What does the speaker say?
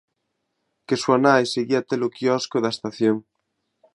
Que súa nai seguía a ter o quiosco da estación.